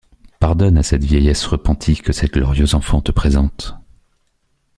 Pardonne à cette vieillesse repentie que cette glorieuse enfant te présente!